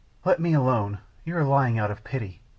"Let me alone; you are lying out of pity.